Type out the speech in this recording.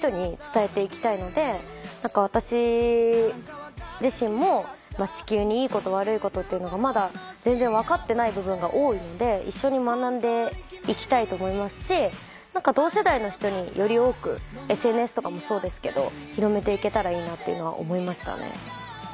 私自身も地球にいいこと悪いことっていうのがまだ全然分かってない部分が多いので一緒に学んで行きたいと思いますし同世代の人により多くＳＮＳとかもそうですけど広めて行けたらいいなっていうのは思いましたね。